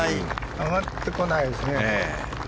上がってこないですね。